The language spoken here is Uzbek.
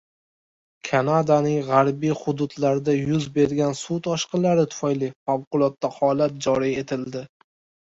Kanadaning g‘arbiy hududlarida yuz bergan suv toshqinlari tufayli favqulodda holat joriy etildi